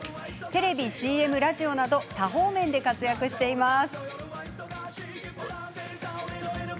テレビ、ＣＭ、ラジオなど多方面で活躍しています。